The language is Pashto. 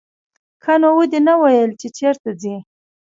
ښه نو ودې نه ویل چې چېرته ځې.